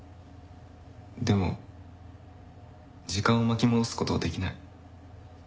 でも時間を巻き戻す事はできない。